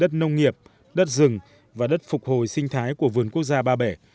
đất nông nghiệp đất rừng và đất phục hồi sinh thái của vườn quốc gia ba bể